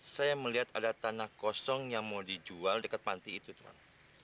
saya melihat ada tanah kosong yang mau dijual dekat panti itu tuhan